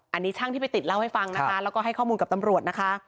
อันนี้ช่างที่ไปติดเล่าให้ฟังนะคะแล้วก็ให้ข้อมูลกับตำรวจนะคะ